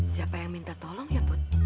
siapa yang minta tolong ya put